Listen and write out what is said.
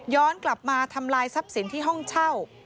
กลับมาทำลายทรัพย์สินที่ห้องเช่า